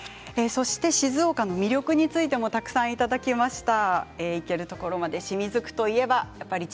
静岡の魅力についてもたくさんいただきました。